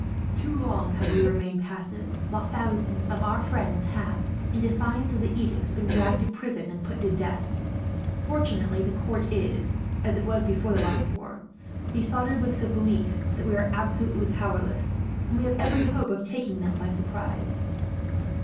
Too long have we remained passive, while thousands of our friends have, in defiance of the edicts, been dragged to prison and put to death. Fortunately the court is, as it was before the last war, besotted with the belief that we are absolutely powerless; and we have every hope of taking them by surprise."